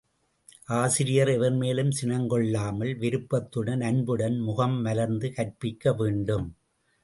ஆசிரியர் எவர்மேலும் சினங் கொள்ளாமல், விருப்பத்துடன் அன்புடன் முகம் மலர்ந்து கற்பிக்க வேண்டும்.